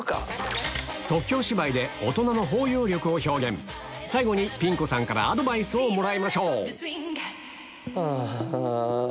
即興芝居で大人の包容力を表現最後にピン子さんからアドバイスをもらいましょうはぁ。